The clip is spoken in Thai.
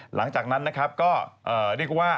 หลังจากนั้นก็เรียกว่า